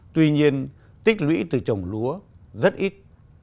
tuy nhiên tích lũy từ trồng lúa rất ít